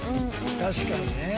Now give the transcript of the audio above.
確かにね。